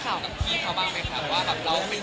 ก็เลยเอาข้าวเหนียวมะม่วงมาปากเทียน